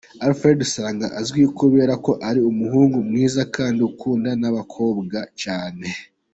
Alfred usanga azwi kubera ko ari umuhungu mwiza kandi ukundwa n’abakobwa cyane.